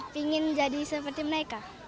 pingin jadi seperti mereka